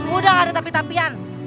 udah ada tapi tapian